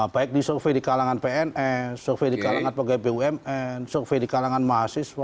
baik di survei di kalangan pn survei di kalangan pgm survei di kalangan mahasiswa